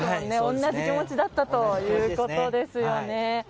同じ気持ちだったということですよね。